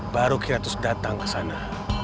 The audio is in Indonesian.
baru kiratus datang ke sana